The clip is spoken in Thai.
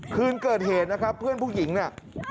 คืนเกิดเหตุนะครับเพื่อนผู้หญิงเนี่ย